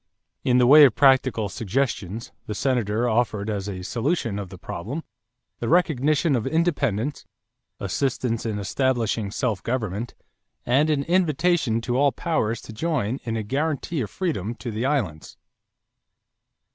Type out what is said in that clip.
In the way of practical suggestions, the Senator offered as a solution of the problem: the recognition of independence, assistance in establishing self government, and an invitation to all powers to join in a guarantee of freedom to the islands.